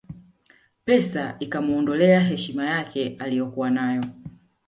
Pesa ikamuondolea heshima yake aliyokuwa nayo